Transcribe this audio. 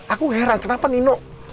aku heran kenapa nino